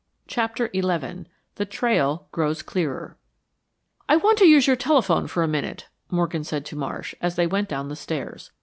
CHAPTER XI THE TRAIL GROWS CLEARER "I want to use your telephone for a minute," Morgan said to Marsh, as they went down the stairs.